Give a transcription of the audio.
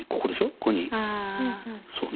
ここにそうね。